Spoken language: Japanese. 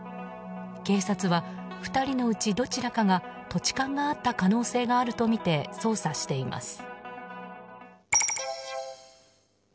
警察は２人のうちどちらかが土地勘があった可能性があるとみて捜査しています。